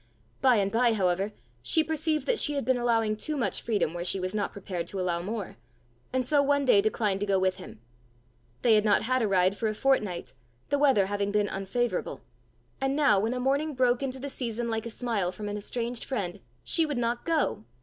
By and by, however, she perceived that she had been allowing too much freedom where she was not prepared to allow more, and so one day declined to go with him. They had not had a ride for a fortnight, the weather having been unfavourable; and now when a morning broke into the season like a smile from an estranged friend, she would not go!